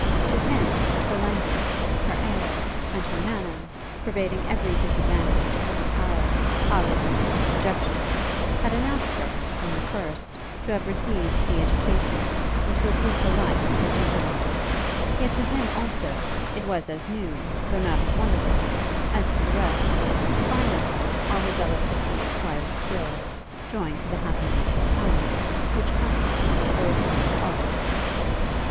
To him, her language, her air, and her manner, pervading every disadvantage of apparel, poverty, and subjection, had announced her, from the first, to have received the education, and to have lived the life of a gentlewoman; yet to him, also, it was as new, though not as wonderful, as to the rest, to find in her all the delicately acquired skill, joined to the happy natural talents, which constitute a refined artist.